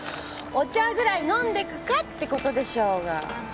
お茶ぐらい飲んでくか？って事でしょうが。